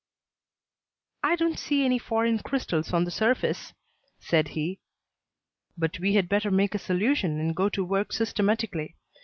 "I don't see any foreign crystals on the surface," said he; "but we had better make a solution and go to work systematically.